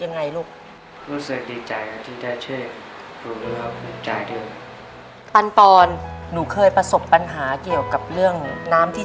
ในแคมเปญพิเศษเกมต่อชีวิตโรงเรียนของหนู